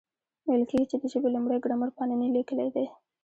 ویل کېږي، چي د ژبي لومړی ګرامر پانني لیکلی دئ.